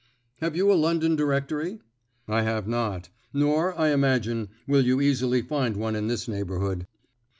"Have you a 'London Directory'?" "I have not; nor, I imagine, will you easily find one in this neighbourhood."